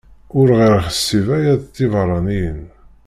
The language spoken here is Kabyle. Ur ɣ-iḥsib ara d tibeṛṛaniyin?